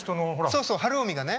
そうそう晴臣がね。